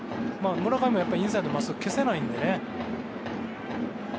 村上もインサイドの真っすぐ消せないんでね。